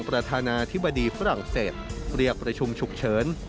ประธานาธิบดีฝรั่งเศสเรียกประชุมฉุกเฉิน